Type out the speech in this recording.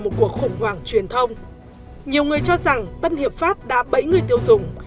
một cuộc khủng hoảng truyền thông nhiều người cho rằng tân hiệp pháp đã bẫy người tiêu dùng